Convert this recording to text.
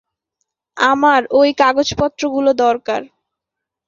আমার ওই কাগজপত্রগুলো দরকার।